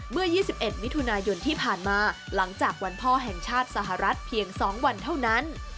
เมื่อ๒๑มิถุนายนที่ผ่านมาหลังจากวันพ่อแห่งชาติสหรัฐเพียง๒วันเท่านั้น